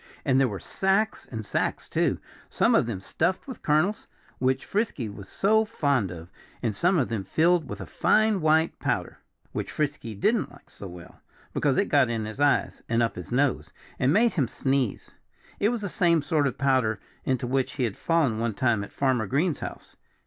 And there were sacks and sacks too some of them stuffed with kernels, which Frisky was so fond of, and some of them filled with a fine white powder, which Frisky didn't like so well, because it got in his eyes, and up his nose, and made him sneeze. It was the same sort of powder into which he had fallen one time at Farmer Green's house.